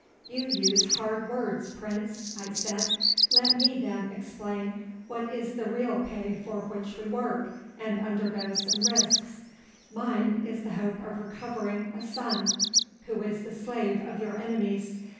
"You use hard words, Prince," I said; "let me then explain what is the real pay for which we work and undergo some risks. Mine is the hope of recovering a son who is the slave of your enemies.